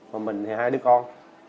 mà mình thì hai đứa con